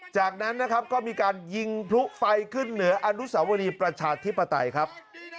จากนั้นนะครับก็มีการยิงพลุไฟขึ้นเหนืออนุสาวรีประชาธิปไตยครับ